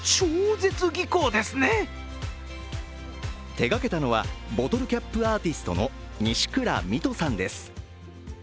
手がけたのはボトルキャップアーティストの西倉ミトさんです。